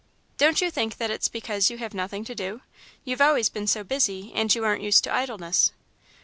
"Don't you think that it's because you have nothing to do? You've always been so busy, and you aren't used to idleness."